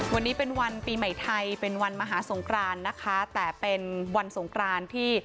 วันนี้เป็นวันปีใหม่ไทยเป็นวันมหาสงครานนะคะแต่เป็นวันสงครานที่